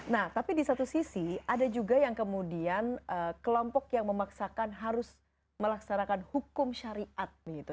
nah tapi di satu sisi ada juga yang kemudian kelompok yang memaksakan harus melaksanakan hukum syariat